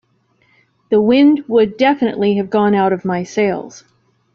The wind would definitely have gone out of my sails.